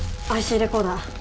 ＩＣレコーダー。